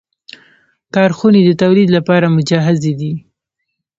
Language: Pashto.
کارخونې د تولید لپاره مجهزې دي.